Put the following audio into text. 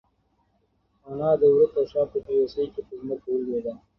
انا د وره تر شا په بېوسۍ کې په ځمکه ولوېده.